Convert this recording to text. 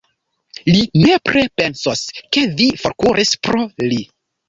Li nepre pensos, ke vi forkuris pro li!